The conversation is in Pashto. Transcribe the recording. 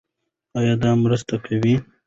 ایا دا مرسته کوي؟